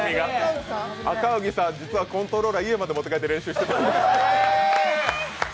赤荻さん、実はコントローラー家に持って帰ってまで練習してた。